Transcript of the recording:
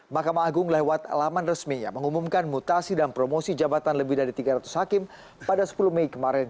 mahkamah agung lewat laman resminya mengumumkan mutasi dan promosi jabatan lebih dari tiga ratus hakim pada sepuluh mei kemarin